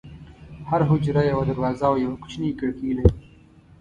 هره حجره یوه دروازه او یوه کوچنۍ کړکۍ لري.